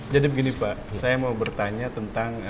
jadi begini pak saya mau bertanya tentang